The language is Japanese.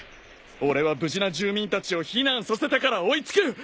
俺は無事な住民たちを避難させてから追い付く！